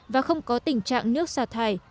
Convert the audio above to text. và không có tình trạng nước xà thải